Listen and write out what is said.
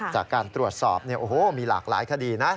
จากการตรวจสอบมีหลากหลายคดีนะ